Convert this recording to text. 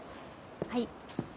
はい。